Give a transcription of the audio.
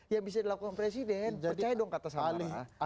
yang bisa dilakukan presiden percaya dong kata samara